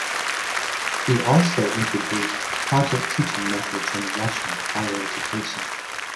He also introduced project teaching methods in Russian higher education.